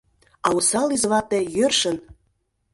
А осал извате йӧршын